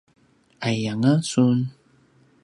’ay’ianga sun?